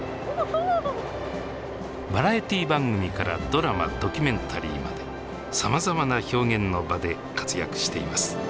バラエティー番組からドラマドキュメンタリーまでさまざまな表現の場で活躍しています。